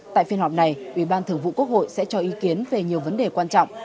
tại phiên họp này ủy ban thường vụ quốc hội sẽ cho ý kiến về nhiều vấn đề quan trọng